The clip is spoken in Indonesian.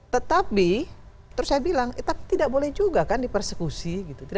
tetapi terus saya bilang tidak boleh juga kan dipersekusi gitu